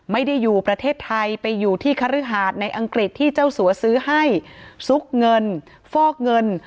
ไม่ได้อยู่ประเทศไทยไปอยู่ที่คฤหาสในอังกฤษที่เจ้าสัวซื้อให้ซุกเงินฟอกเงิน